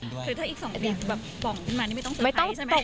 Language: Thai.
คือถ้าอีก๒ปีบอกมันมาไม่ต้องสุขภัยใช่ไหม